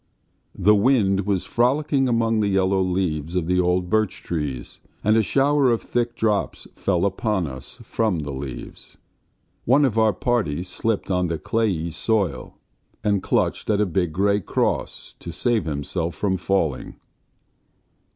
The wind was frolicking among the yellow leaves of the old birch trees, and a shower of thick drops fell upon us from the leaves. One of our party slipped on the clayey soil, and clutched at a big grey cross to save himself from falling.